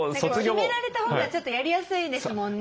決められたほうがちょっとやりやすいですもんね。